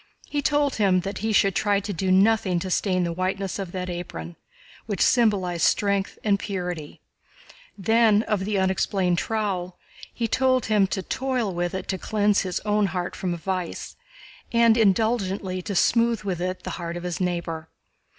He told him that he should try to do nothing to stain the whiteness of that apron, which symbolized strength and purity; then of the unexplained trowel, he told him to toil with it to cleanse his own heart from vice, and indulgently to smooth with it the heart of his neighbor.